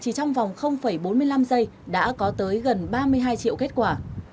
chỉ trong vòng bốn mươi năm giây đã có tới gần ba mươi hai triệu kết quả